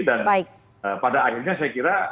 dan pada akhirnya saya kira